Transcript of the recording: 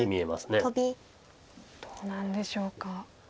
どうなんでしょうか。